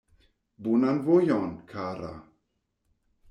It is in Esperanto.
Bonan vojon, kara!